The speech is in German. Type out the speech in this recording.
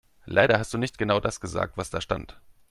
Leider hast du nicht genau das gesagt, was da stand.